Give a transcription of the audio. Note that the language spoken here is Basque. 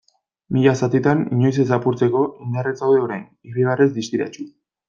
Mila zatitan inoiz ez apurtzeko, indarrez zaude orain, irribarrez distiratsu.